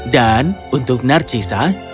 dan untuk menangkapnya